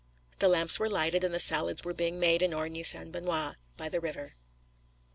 The lamps were lighted, and the salads were being made in Origny Sainte Benoîte by the river.